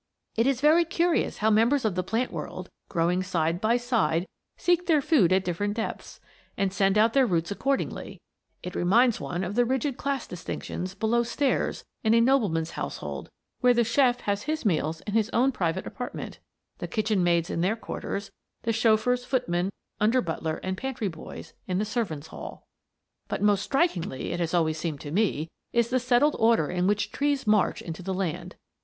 It is very curious how members of the plant world, growing side by side, seek their food at different depths, and send out their roots accordingly. It reminds one of the rigid class distinctions below stairs in a nobleman's household where the chef has his meals in his own private apartment, the kitchen maids in their quarters, the chauffeurs, footman, under butler, and pantry boys in the servants' hall. [Illustration: THE LEADERS OF THE GRAND MARCH] But most striking, it has always seemed to me, is the settled order in which trees march into the land.